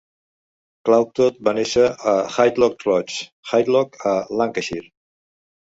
Claughton va néixer al Haydock Lodge, Haydock, a Lancashire.